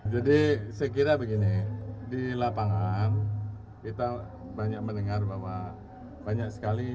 jadi sekiranya begini di lapangan kita banyak mendengar bahwa banyak sekali